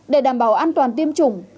để đảm bảo an toàn tiêm chủng